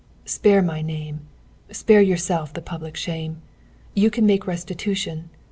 "Spare my name. Spare yourself the public shame. You can make restitution.